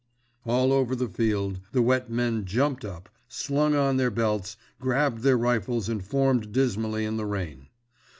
_" All over the field the wet men jumped up, slung on their belts, grabbed their rifles and formed dismally in the rain.